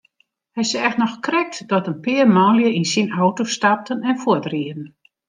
Hy seach noch krekt dat in pear manlju yn syn auto stapten en fuortrieden.